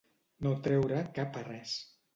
No treure cap a res.